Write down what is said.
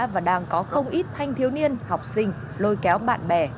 và đang có không ít thanh thiếu niên học sinh lôi kéo bạn bè